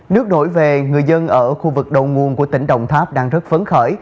nước đổi về người dân ở khu vực đầu nguồn của tỉnh đồng tháp đang rất phấn khởi